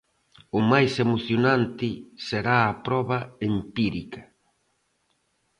O mais emocionante será a proba empírica.